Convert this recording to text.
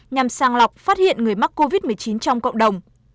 nhằm sang lọc phát hiện người mắc covid một mươi chín trong cộng đồng